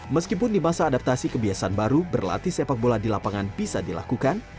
meskipun di masa adaptasi kebiasaan baru berlatih sepak bola di lapangan bisa dilakukan